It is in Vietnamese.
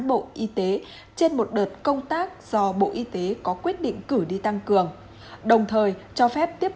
bộ y tế trên một đợt công tác do bộ y tế có quyết định cử đi tăng cường đồng thời cho phép tiếp